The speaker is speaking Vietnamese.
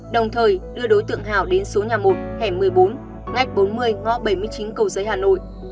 đồng thời đưa đối tượng hào đến số nhà một hẻm một mươi bốn ngách bốn mươi ngõ bảy mươi chín cầu giấy hà nội